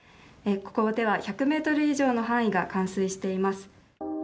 ここでは１００ｍ以上の範囲が冠水しています。